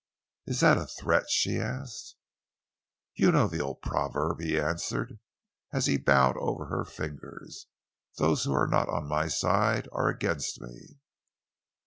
"Is that a threat?" she asked. "You know the old proverb," he answered, as he bowed over her fingers. "'Those who are not on my side are against me.'"